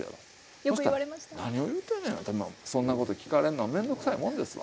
そしたら「何を言うてんねん」ってまあそんなこと聞かれんの面倒くさいもんですわ。